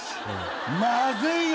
まずいよ